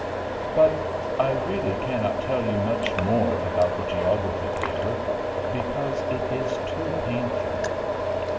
But I really cannot tell you much more about 246 THE FLINT HEART the geography paper, because it is too painful.